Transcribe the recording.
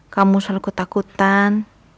kamu selalu ketakutan